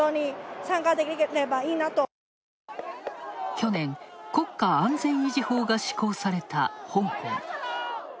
去年、国家安全維持法が施行された香港。